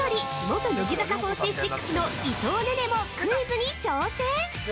元乃木坂４６の伊藤寧々もクイズに挑戦。